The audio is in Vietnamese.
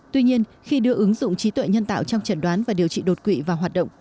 tuy nhiên khi đưa ứng dụng trí tuệ nhân tạo trong chẩn đoán và điều trị đột quỵ vào hoạt động